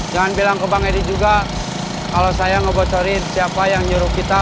jangan bilang ke bang edi juga kalau saya ngebocorin siapa yang nyuruh kita